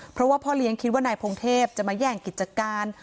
เพราะว่าพ่อเลี้ยงคิดว่านายพงเทพจะมาแย่งกิจการ